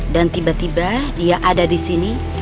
dan tiba tiba dia ada disini